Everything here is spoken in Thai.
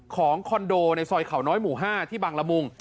คอนโดในซอยเขาน้อยหมู่๕ที่บางละมุง